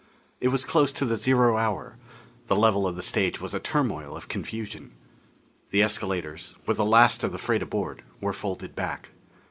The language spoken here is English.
It was close to the zero hour; the level of the stage was a turmoil of confusion. The escalators, with the last of the freight aboard, were folded back.